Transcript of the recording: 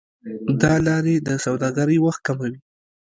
دا لارې د سوداګرۍ وخت کموي.